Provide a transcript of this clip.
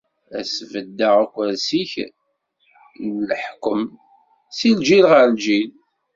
Ad sbeddeɣ akersi-k n leḥkwem, si lǧil ɣer lǧil.